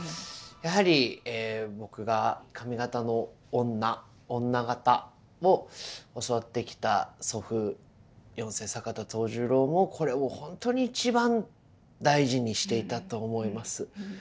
やはり僕が上方の女女方を教わってきた祖父四世坂田藤十郎もこれを本当に一番大事にしていたと思います。